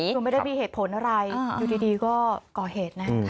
คือไม่ได้มีเหตุผลอะไรอยู่ดีก็ก่อเหตุนะ